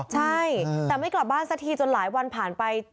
ใช่แต่ไม่กลับบ้านสักทีจนหลายวันผ่านไป